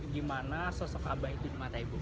gimana sosok abah itu di mata ibu